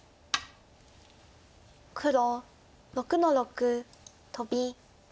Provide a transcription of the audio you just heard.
黒６の六トビ。